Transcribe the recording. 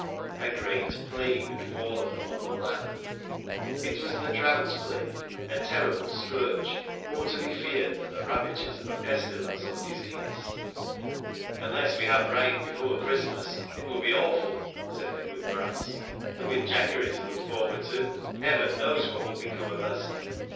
A great plague had fallen upon the land. It was the drought plague, a terrible scourge, more to be feared than the ravages of a pestilence or disease. " Unless we have rain before Christmas it will be awful/* said Edward Bryce; "and with January to look forward to, heaven knows what will be come of us."